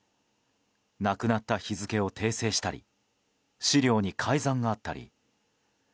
亡くなった日付を訂正したり資料に改ざんがあったり。